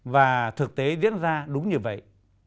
và thực tế diễn ra đúng như vậy